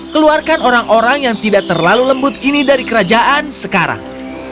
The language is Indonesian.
keluarkan orang orang yang tidak terlalu lembut ini dari kerajaan sekarang